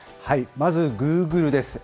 まずグーグルです。